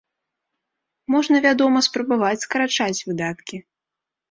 Можна, вядома, спрабаваць скарачаць выдаткі.